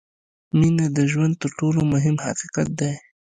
• مینه د ژوند تر ټولو مهم حقیقت دی.